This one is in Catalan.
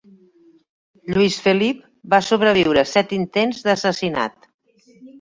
Lluís Felip va sobreviure set intents d'assassinat.